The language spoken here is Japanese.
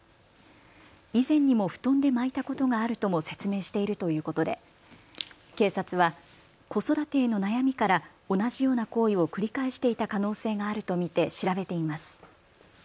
以前にも布団で巻いたことがあるとも説明しているということで警察は子育てへの悩みから同じような行為を繰り返していた可能性があると見て調べています。